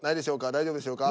大丈夫でしょうか？